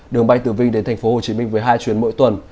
đường bay từ vinh đến thành phố hồ chí minh với hai chuyến mỗi tuần